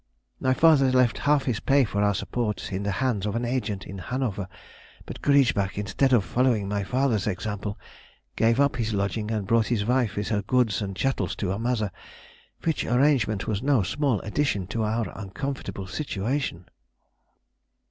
My father left half his pay for our support in the hands of an agent in Hanover, but Griesbach, instead of following my father's example, gave up his lodging and brought his wife with her goods and chattels to her mother, which arrangement was no small addition to our uncomfortable situation."